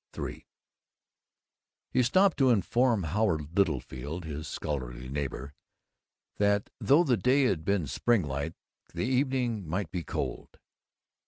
III He stopped to inform Howard Littlefield, his scholarly neighbor, that though the day had been springlike the evening might be cold.